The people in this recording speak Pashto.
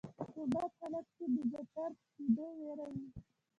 په بد حالت کې د بدتر کیدو ویره وي.